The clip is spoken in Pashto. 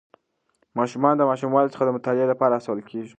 ماشومان د ماشوموالي څخه د مطالعې لپاره هڅول کېږي.